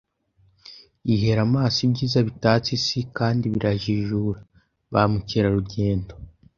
yihera amaso ibyiza bitatse isi, kandi birajijura. Ba mukerarugendo